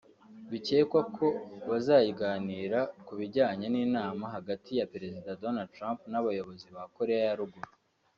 Bikekwa ko bazaganira ku bijyanye n’inama hagati ya Perezida Donald Trump n’abayobozi ba Korea ya Ruguru